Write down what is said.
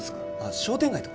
商店街とか？